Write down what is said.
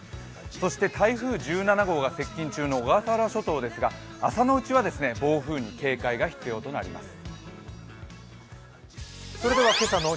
そして台風１７号が接近中の小笠原諸島ですが、朝のうちは暴風に警戒が必要となります。